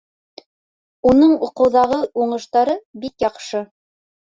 Уның уҡыуҙағы уңыштары бик яҡшы